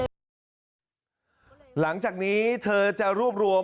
อะไรเกี่ยวกับร่างกายได้ไหมอะไรอย่างนี้